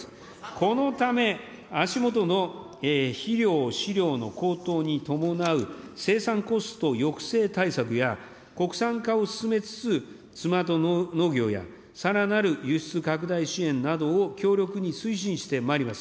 このため、足下の肥料、飼料の高騰に伴う生産コスト抑制対策や、国産化を進めつつ、スマート農業やさらなる輸出拡大支援などを強力に推進してまいります。